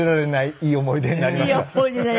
いい思い出になりました。